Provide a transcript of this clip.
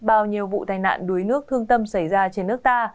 bao nhiêu vụ tai nạn đuối nước thương tâm xảy ra trên nước ta